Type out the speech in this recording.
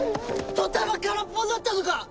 ドタマ空っぽになったのか！？